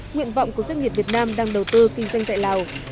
nguyện vọng của doanh nghiệp việt nam đang đầu tư kinh doanh tại lào